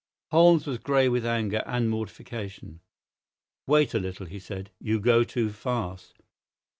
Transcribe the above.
Holmes was grey with anger and mortification. "Wait a little," he said. "You go too fast.